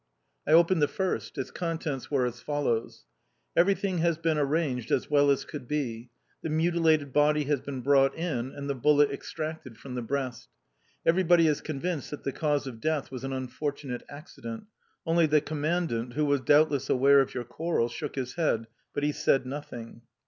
I opened the first; its contents were as follows: "Everything has been arranged as well as could be; the mutilated body has been brought in; and the bullet extracted from the breast. Everybody is convinced that the cause of death was an unfortunate accident; only the Commandant, who was doubtless aware of your quarrel, shook his head, but he said nothing.